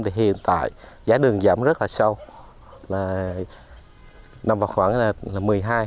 thì hiện tại giá đường giảm rất là sâu nằm vào khoảng là một mươi hai